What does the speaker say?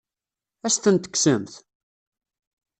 Ad as-tent-tekksemt?